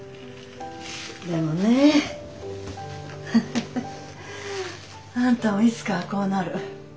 でもねフフフあんたもいつかはこうなる。